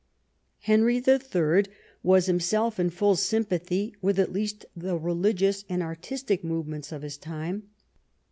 4 EDWARD I CHAP. Henry III. was himself in full sympathy with at least the religious and artistic movements of his time.